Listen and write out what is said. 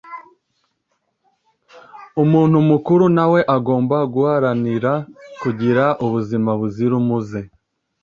Umuntu mukuru na we agomba guharanira kugira ubuzima buzira umuze,